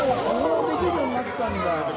もうこんなできるようになったんだ。